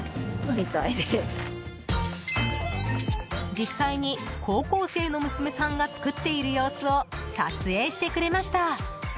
実際に、高校生の娘さんが作っている様子を撮影してくれました。